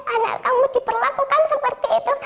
anak kamu diperlakukan seperti itu